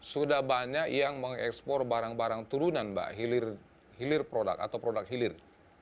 sudah banyak yang mengekspor barang barang turunan mbak hilir produk atau produk hilir